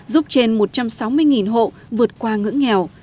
giúp trên một trăm sáu mươi hộ vượt qua ngưỡng nghèo